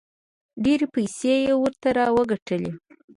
ډېرې پیسې یې ورته راوګټلې.